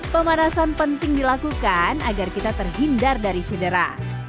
pemanasan penting dilakukan agar kita terhindar dari cedera